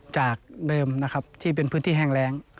จากเดิมนะครับที่เป็นพื้นที่แห้งแรง